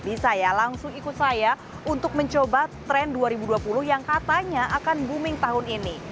bisa ya langsung ikut saya untuk mencoba tren dua ribu dua puluh yang katanya akan booming tahun ini